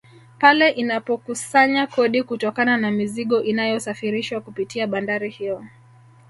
Pale inapokusanya kodi kutokana na mizigo inayosafirishwa kupitia bandari hiyo